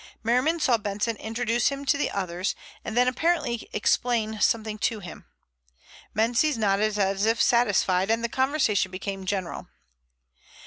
Merriman saw Benson introduce him to the others, and then apparently explain something to him. Menzies nodded as if satisfied and the conversation became general.